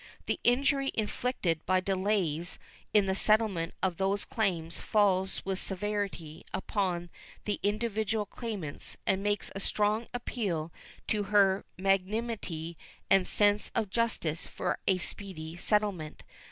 The injury inflicted by delays in the settlement of these claims falls with severity upon the individual claimants and makes a strong appeal to her magnanimity and sense of justice for a speedy settlement.